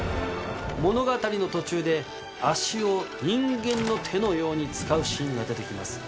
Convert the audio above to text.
物語の途中で足を人間の手のように使うシーンが出て来ます。